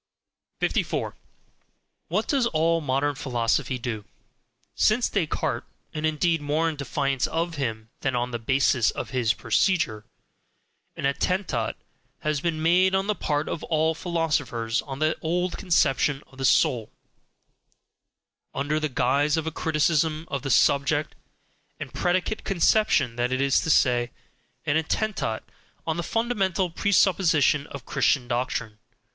54. What does all modern philosophy mainly do? Since Descartes and indeed more in defiance of him than on the basis of his procedure an ATTENTAT has been made on the part of all philosophers on the old conception of the soul, under the guise of a criticism of the subject and predicate conception that is to say, an ATTENTAT on the fundamental presupposition of Christian doctrine.